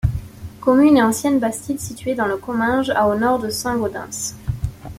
Commune et ancienne bastide située dans le Comminges à au nord de Saint-Gaudens.